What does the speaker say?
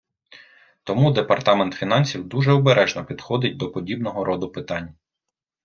Тому Департамент фінансів дуже обережно підходить до подібного роду питань.